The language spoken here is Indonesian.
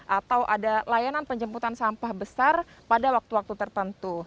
atau ada layanan penjemputan sampah besar pada waktu waktu tertentu